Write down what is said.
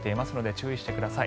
注意してください。